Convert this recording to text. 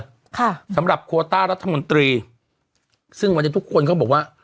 ค่ะสำหรับโคต้ารัฐมนตรีซึ่งวันนี้ทุกคนก็บอกว่า